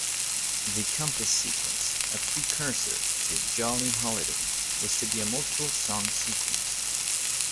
The Compass Sequence, a precursor to "Jolly Holiday", was to be a multiple-song sequence.